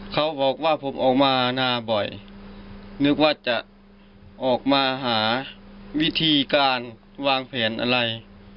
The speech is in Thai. เขาบอกว่าผมออกมานาบ่อยนึกว่าจะออกมาหาวิธีการวางแผนอะไร